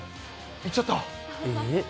行っちゃった。